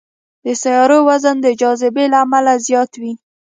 د سیارو وزن د جاذبې له امله زیات وي.